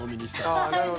ああなるほど。